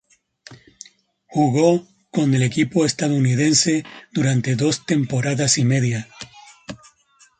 Jugó con el equipo estadounidense durante dos temporadas y media.